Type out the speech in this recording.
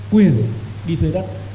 quyền đi thuê đất